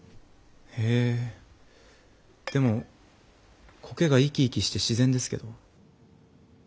へえでも苔が生き生きして自然ですけど。